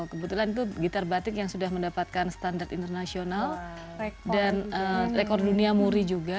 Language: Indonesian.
kebetulan itu gitar batik yang sudah mendapatkan standar internasional dan rekor dunia muri juga